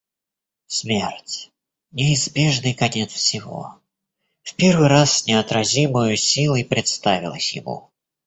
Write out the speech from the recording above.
Смерть, неизбежный конец всего, в первый раз с неотразимою силой представилась ему.